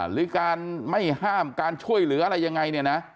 หรือการไม่ห้ามการช่วยเหลืออะไรยังไงเนี่ยนะ